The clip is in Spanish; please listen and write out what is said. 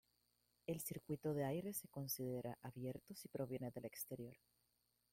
El circuito de aire se considera abierto si proviene del exterior.